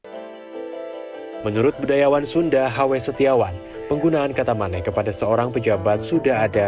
oh menurut budayawan sunda hawestiawan penggunaan kata maneh kepada seorang pejabat sudah ada